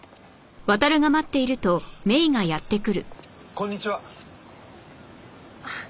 こんにちは。